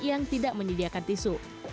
yang tidak menyediakan tisu